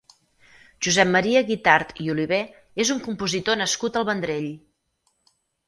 Josep Maria Guitart i Oliver és un compositor nascut al Vendrell.